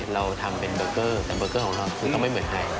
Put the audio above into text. เราทำเป็นเบอร์เกอร์แต่เบอร์เกอร์ของเราคือก็ไม่เหมือนใคร